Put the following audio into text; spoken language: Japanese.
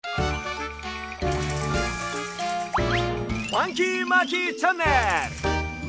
「ファンキーマーキーチャンネルみせて！